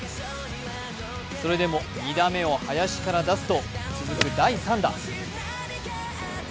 それでも２打目を林から出すと、続く第３打。